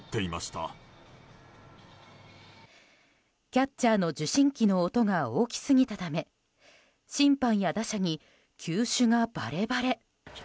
キャッチャーの受信機の音が大きすぎたため審判や打者に球種がバレバレ。